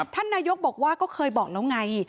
ท่านนายกบอกว่าก็เคยบอกแล้วไง